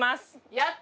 やった！